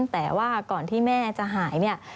แต่ว่าก่อนที่แม่จะหายเนี่ย